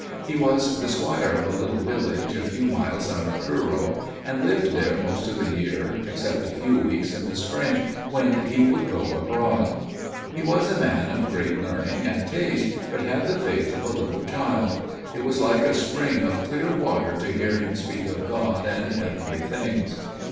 He was the squire of a little village a few miles out of Truro, and lived there most of the year except a few weeks in the spring, when he would go abroad. He was a man of great learning and taste, but had the faith of a little child. It was like a spring of clear water to hear him speak of God and heavenly things.